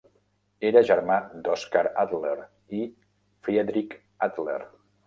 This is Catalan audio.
Era germà d'Oskar Adler i Friedrich Adler.